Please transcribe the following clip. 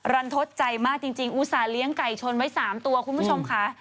รันทดใจมากจริงอุตส่าห์ไก่ชนไว้๓ตัวคุณผู้ชมค่ะ